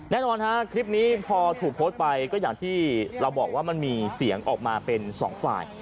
แน่นอนฮะคลิปนี้พอถูกโพสต์ไปก็อย่างที่เราบอกว่ามันมีเสียงออกมาเป็นสองฝ่าย